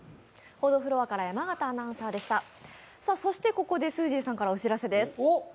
そしてここですーじーさんからお知らせです。